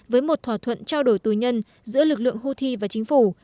với một thỏa thuận trao đổi tù nhân giữa lực lượng houthi và chính phủ